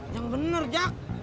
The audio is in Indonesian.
yang bener jak